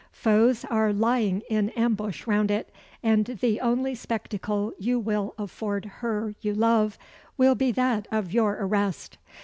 Foes are lying in ambush round it; and the only spectacle you will afford her you love will be that of your arrest."